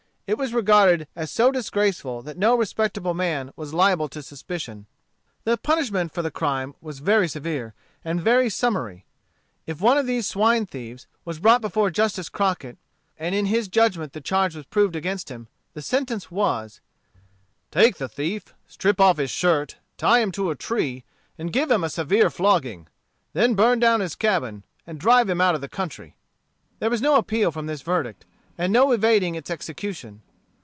It was regarded as so disgraceful that no respectable man was liable to suspicion. The punishment for the crime was very severe, and very summary. If one of these swine thieves was brought before Justice Crockett, and in his judgment the charge was proved against him, the sentence was "Take the thief, strip off his shirt, tie him to a tree, and give him a severe flogging. Then burn down his cabin, and drive him out of the country." There was no appeal from this verdict, and no evading its execution.